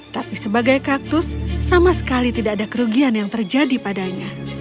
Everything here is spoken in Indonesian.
tapi sebagai kaktus sama sekali tidak ada kerugian yang terjadi padanya